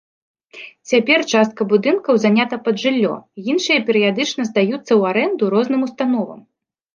Цяпер частка будынкаў занята пад жыллё, іншыя перыядычна здаюцца ў арэнду розным установам.